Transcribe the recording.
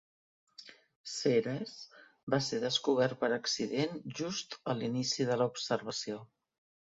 Ceres va ser descobert per accident just al inici de la observació.